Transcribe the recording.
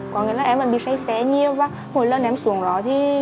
có nghĩa là em vẫn bị say xé nhiều và mỗi lần em xuống đó thì